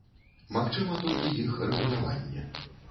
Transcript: Магчыма толькі іх рэгуляванне.